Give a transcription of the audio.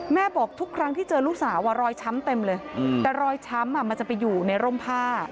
บอกทุกครั้งที่เจอลูกสาวรอยช้ำเต็มเลยแต่รอยช้ำมันจะไปอยู่ในร่มผ้า